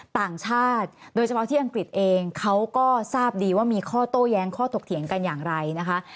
ต่างชาติโดยเฉพาะที่อังกฤษเองเขาก็ทราบดีว่ามีข้อโต้แย้งข้อถกเถียงกันอย่างไรนะคะ